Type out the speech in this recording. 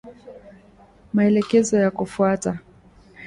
Maelekezo ya kufuata